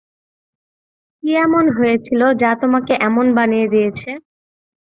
কি এমন হয়েছিল যা তোমাকে এমন বানিয়ে দিয়েছে?